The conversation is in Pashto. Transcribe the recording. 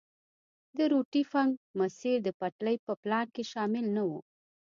د روټي فنک مسیر د پټلۍ په پلان کې شامل نه وو.